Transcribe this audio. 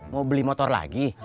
mau beli motor lagi